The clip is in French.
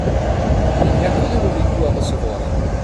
Il n’y a que de mauvais coups à recevoir.